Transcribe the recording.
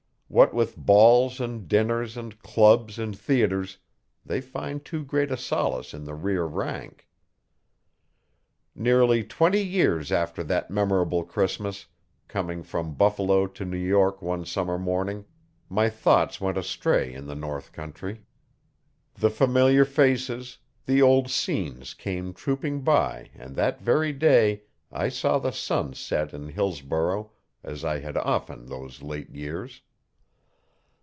What with balls and dinners and clubs and theatres, they find too great a solace in the rear rank. Nearly twenty years after that memorable Christmas, coming from Buffalo to New York one summer morning, my thoughts went astray in the north country. The familiar faces, the old scenes came trooping by and that very day I saw the sun set in Hillsborough as I had often those late years.